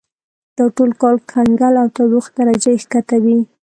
دا ټول کال کنګل او تودوخې درجه یې کښته وي.